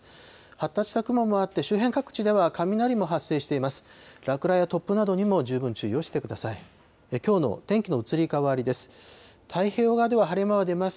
発達した雲もあって、周辺各地では雷も発生しています。